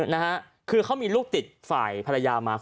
นะฮะคือเขามีลูกติดฝ่ายภรรยามา